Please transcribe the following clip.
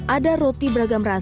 ada roti beragam rasa